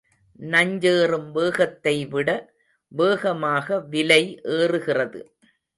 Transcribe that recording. நஞ்சேறும் வேகத்தை விட வேகமாக விலை ஏறுகிறது.